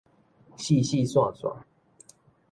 四四散散